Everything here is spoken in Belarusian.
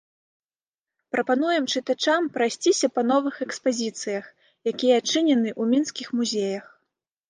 Прапануем чытачам прайсціся па новых экспазіцыях, якія адчынены ў мінскіх музеях.